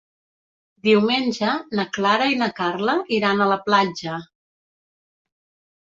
Diumenge na Clara i na Carla iran a la platja.